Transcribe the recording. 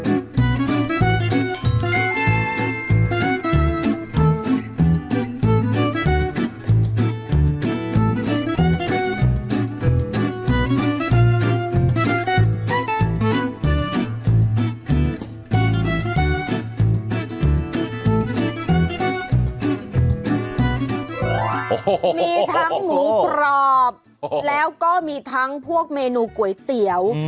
มีทั้งหมูกรอบแล้วก็มีทั้งพวกเมนูก๋วยเตี๋ยว